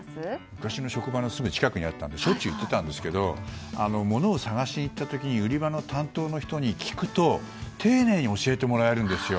私の職場のすぐ近くにあったのでしょっちゅう行っていたんですけど物を探しに行った時に売り場の担当の人に聞くと丁寧に教えてもらえるんですよ。